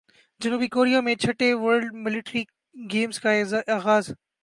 جنوبی کوریا میں چھٹے ورلڈ ملٹری گیمز کا اغاز